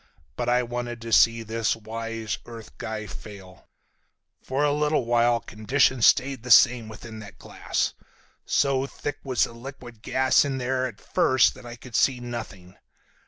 But I wanted to see this wise earth guy fail. "For a little while conditions stayed the same within that glass. So thick was the liquid gas in there at first that I could see nothing.